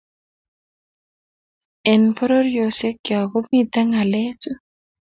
Eng pororiosiekcho komitei ngalechu